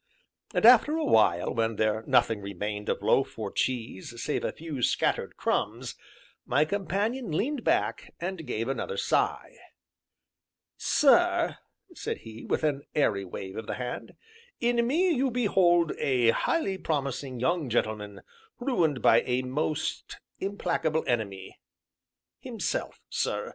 And after a while, when there nothing remained of loaf or cheese save a few scattered crumbs, my companion leaned back, and gave another sigh. "Sir," said he, with an airy wave of the hand, "in me you behold a highly promising young gentleman ruined by a most implacable enemy himself, sir.